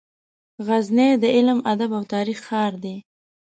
غزني د علم، ادب او تاریخ ښار دی.